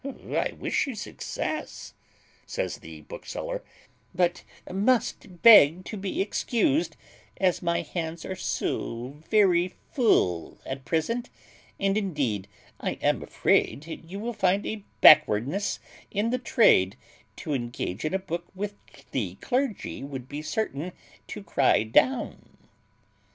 "I wish you success," says the bookseller, "but must beg to be excused, as my hands are so very full at present; and, indeed, I am afraid you will find a backwardness in the trade to engage in a book which the clergy would be certain to cry down."